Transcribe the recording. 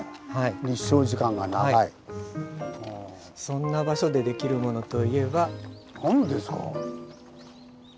そんな場所でできるものといえば？